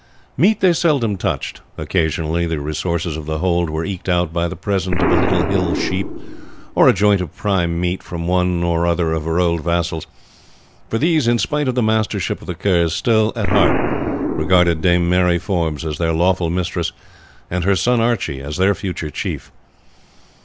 Meat they seldom touched. Occasionally the resources of the hold were eked out by the present of a little hill sheep, or a joint of prime meat, from one or other of her old vassals, for these, in spite of the mastership of the Kerrs, still at heart regarded Dame Mary Forbes as their lawful mistress, and her son Archie as their future chief.